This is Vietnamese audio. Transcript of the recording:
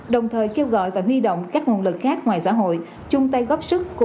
đồng thời kêu gọi và huy động các nguồn lực khác ngoài xã hội chung tay góp sức